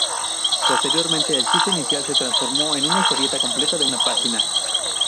Posteriormente, el chiste inicial se transformó en una historieta completa de una página.